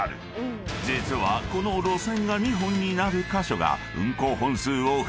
［実はこの路線が２本になる箇所が］